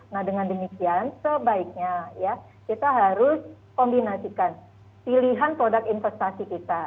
nah dengan demikian sebaiknya ya kita harus kombinasikan pilihan produk investasi kita